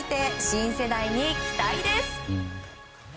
新世代に期待です。